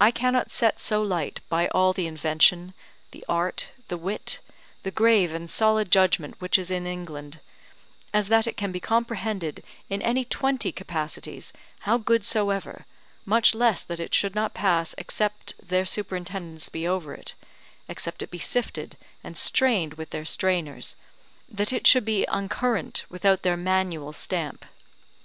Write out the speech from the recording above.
I cannot set so light by all the invention, the art, the wit, the grave and solid judgment which is in England, as that it can be comprehended in any twenty capacities how good soever, much less that it should not pass except their superintendence be over it, except it be sifted and strained with their strainers, that it should be uncurrent without their manual stamp.